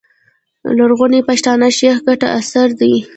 لرغوني پښتانه، شېخ کټه اثر دﺉ.